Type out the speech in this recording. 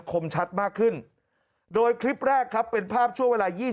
คมชัดมากขึ้นโดยคลิปแรกครับเป็นภาพช่วงเวลา๒๐